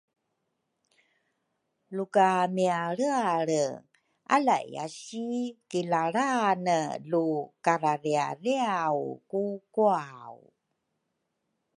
luka mialrealre alaiyasi kilalrane lu karariariaw ku kwau